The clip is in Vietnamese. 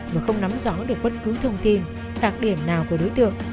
và không nắm rõ được bất cứ thông tin đặc điểm nào của đối tượng